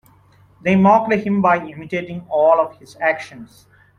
They mocked him by imitating all of his actions.